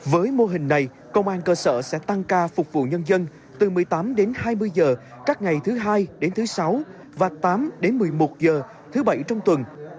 với mô hình này công an cơ sở sẽ tăng ca phục vụ nhân dân từ một mươi tám đến hai mươi h các ngày thứ hai đến thứ sáu và tám đến một mươi một h thứ bảy trong tuần